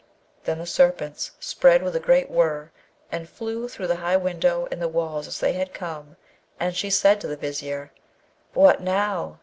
Then the serpents spread with a great whirr, and flew through the high window and the walls as they had come, and she said to the Vizier, 'What now?